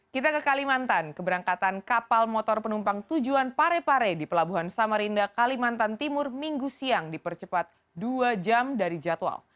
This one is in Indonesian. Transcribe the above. kita ke kalimantan keberangkatan kapal motor penumpang tujuan parepare di pelabuhan samarinda kalimantan timur minggu siang dipercepat dua jam dari jadwal